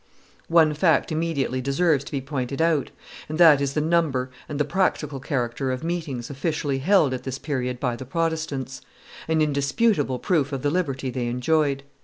One fact immediately deserves to be pointed out; and that is the number and the practical character of meetings officially held at this period by the Protestants: an indisputable proof of the liberty they enjoyed.